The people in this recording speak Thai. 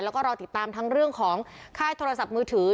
แล้วก็รอติดตามทั้งเรื่องของค่ายโทรศัพท์มือถือ